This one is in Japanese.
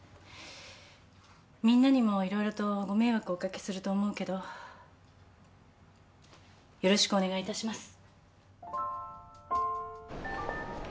みんなにも色々とご迷惑をお掛けすると思うけどよろしくお願いいたします。